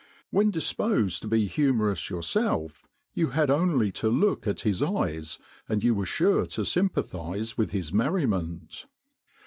When disposed to be humorous yourself, you had only to look at his eyes, and you were sure to sympathise with his merriment.